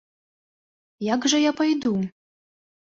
Як жа я пайду?